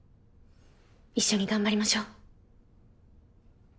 一緒に頑張りましょう。